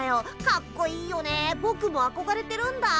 かっこいいよねぼくもあこがれてるんだ。